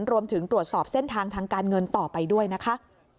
รวมถึงตรวจสอบเส้นทางทางการเงินต่อไปด้วยนะคะ